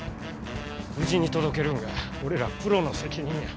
無事に届けるんが俺らプロの責任や。